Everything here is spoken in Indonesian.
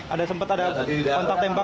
ada sempat ada kontak tembak